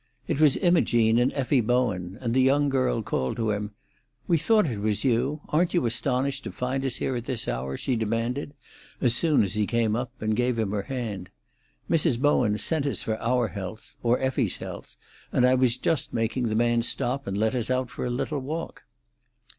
It was Imogene and Effie Bowen, and the young girl called to him: "We thought it was you. Aren't you astonished to find us here at this hour?" she demanded, as soon as he came up, and gave him her hand. "Mrs. Bowen sent us for our health—or Effie's health—and I was just making the man stop and let us out for a little walk."